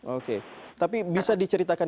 oke tapi bisa diceritakan